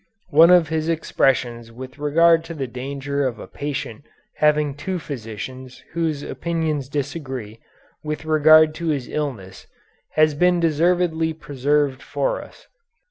One of his expressions with regard to the danger of a patient having two physicians whose opinions disagree with regard to his illness has been deservedly preserved for us.